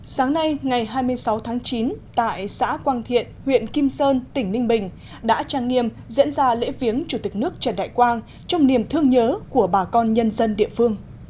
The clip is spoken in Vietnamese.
sáng nay ngày hai mươi sáu tháng chín tại xã quang thiện huyện kim sơn tỉnh ninh bình đã trang nghiêm diễn ra lễ viếng chủ tịch nước trần đại quang trong niềm thương nhớ của bà con nhân dân địa phương